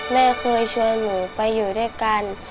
แม่เคยชวนหนูไปอยู่ด้วยกัน